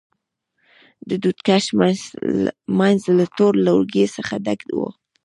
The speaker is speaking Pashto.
د دود کش منځ له تور لوګي څخه ډک و.